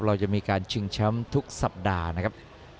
เราจะมีการชิงแชมป์ทุกสัปดาห์นะครับ